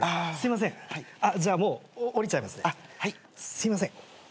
すいません。